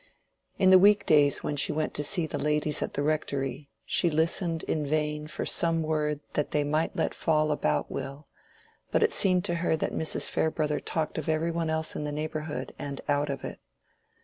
In the week days when she went to see the ladies at the Rectory, she listened in vain for some word that they might let fall about Will; but it seemed to her that Mrs. Farebrother talked of every one else in the neighborhood and out of it.